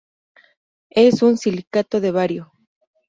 Es un silicato de bario.